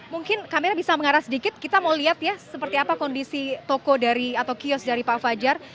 mungkin kamera bisa mengarah sedikit kita mau lihat ya seperti apa kondisi toko dari atau kios dari pak fajar